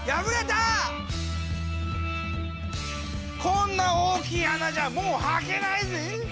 こんな大きい穴じゃもうはけないぜぇ。